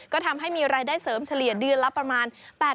ก็ทำให้มีรายได้เสริมเฉลี่ยเดือนละประมาณ๘๐